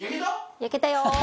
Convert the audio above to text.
焼けたよ。